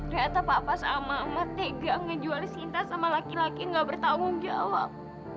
ternyata papa sama ama tega ngejuali sinta sama laki laki yang gak bertanggung jawab